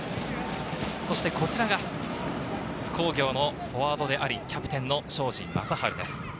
こちらが津工業のフォワードであり、キャプテンの庄司壮晴です。